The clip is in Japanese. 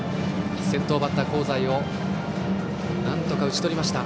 先頭バッターの香西をなんとか打ち取りました。